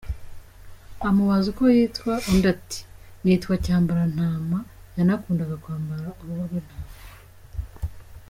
Amubaza uko yitwa, undi, ati "Nitwa Cyambarantama"; yanakundaga kwambara uruhu rw’ intama.